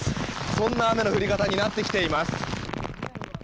そんな雨の降り方になってきています。